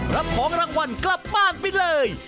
รับของรางวัลกลับบ้านไปเลย